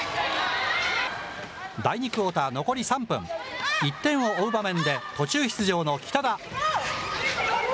第２クオーター残り３分、１点を追う場面で、途中出場の北田。